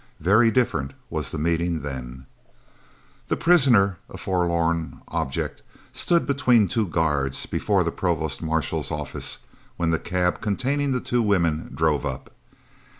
Very different was the meeting then! The prisoner, a forlorn object, stood between two guards, before the Provost Marshal's office, when the cab containing the two women drove up.